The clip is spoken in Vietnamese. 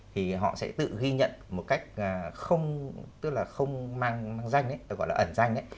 thì họ sẽ tự ghi nhận một cách không mang danh gọi là ẩn danh